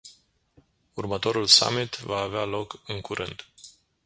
Următorul summit va avea loc în curând.